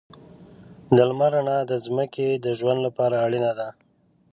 د لمر رڼا د ځمکې د ژوند لپاره اړینه ده.